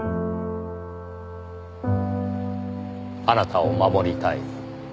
あなたを守りたい。